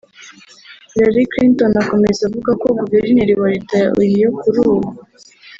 Hillary Clinton akomeza avuga ko guverineri wa leta ya Ohio kuri ubu